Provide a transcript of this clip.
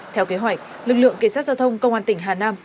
theo kế hoạch lực lượng cảnh sát giao thông công an tỉnh hà nam